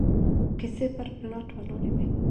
کيسې پر پلاټ ولاړې وي